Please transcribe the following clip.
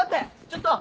ちょっと！